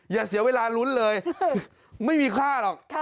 อย่าเสียเวลาลุ้นเลยไม่มีค่าหรอก